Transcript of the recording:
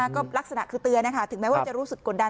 ก็ลักษณะคือเตือนนะคะถึงแม้ว่าจะรู้สึกกดดัน